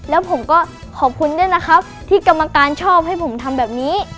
แล้วผมก็ขอบคุณด้วยนะครับที่กรรมการชอบให้ผมทำแบบนี้